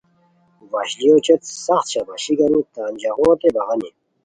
وشلیو چیت سخت شاباشی گانی تان ژاغوت بغانی